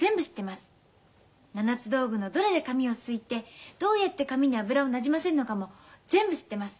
七つ道具のどれで髪をすいてどうやって髪に油をなじませるのかも全部知ってます。